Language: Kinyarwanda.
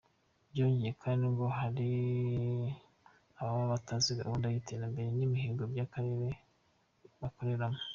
Byongeye kandi ngo hari ababa batazi gahunda yiterambere nimihigo byakarere bakoreramo.